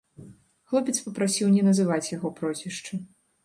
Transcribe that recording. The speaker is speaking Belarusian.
Хлопец папрасіў не называць яго прозвішча.